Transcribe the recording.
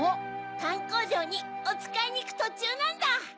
パンこうじょうにおつかいにいくとちゅうなんだ。